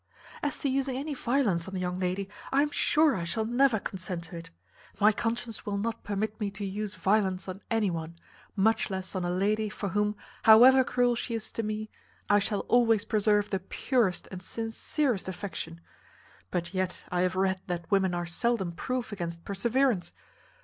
"As to using any violence on the young lady, I am sure I shall never consent to it. My conscience will not permit me to use violence on any one, much less on a lady for whom, however cruel she is to me, I shall always preserve the purest and sincerest affection; but yet I have read that women are seldom proof against perseverance.